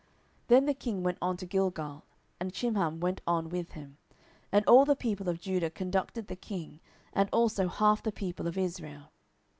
10:019:040 Then the king went on to Gilgal, and Chimham went on with him: and all the people of Judah conducted the king, and also half the people of Israel.